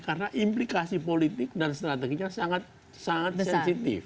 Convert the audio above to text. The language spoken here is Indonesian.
karena implikasi politik dan strateginya sangat sensitif